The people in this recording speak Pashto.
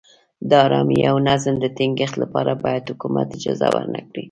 د ارامۍ او نظم د ټینګښت لپاره باید حکومت اجازه ورنه کړي.